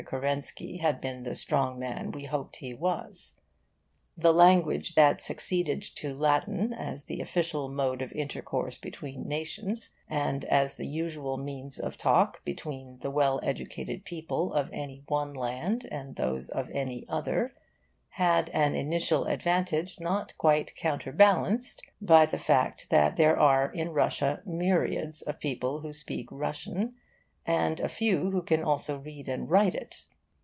Kerensky had been the strong man we hoped he was. The language that succeeded to Latin as the official mode of intercourse between nations, and as the usual means of talk between the well educated people of any one land and those of any other, had an initial advantage not quite counterbalanced by the fact that there are in Russia myriads of people who speak Russian, and a few who can also read and write it.